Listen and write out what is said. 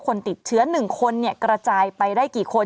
คนติดเชื้อ๑คนกระจายไปได้กี่คน